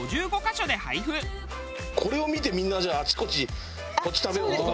これを見てみんなじゃああちこちこっち食べようとか。